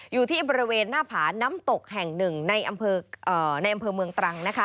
อยู่ที่บริเวณหน้าผาน้ำตกแห่งหนึ่งในอำเภอเมืองตรังนะคะ